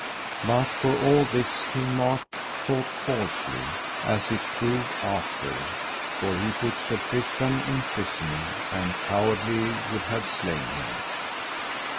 But for all this King Mark thought falsely, as it proved after, for he put Sir Tristram in prison, and cowardly would have slain him.